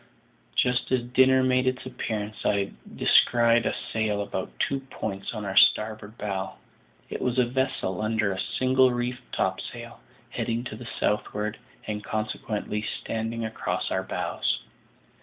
Just as dinner made its appearance I descried a sail about two points on our starboard bow. It was a vessel under single reefed topsails, heading to the southward, and consequently standing across our bows.